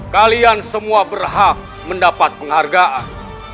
kalian semua berhak mendapat penghargaan